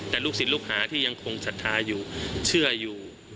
แต่ลูกศิษย์ลูกหาที่ยังคงศรัทธาอยู่เชื่ออยู่